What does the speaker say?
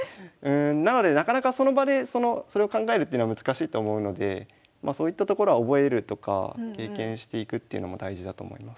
なのでなかなかその場でそれを考えるっていうのは難しいと思うのでそういったところは覚えるとか経験していくっていうのも大事だと思います。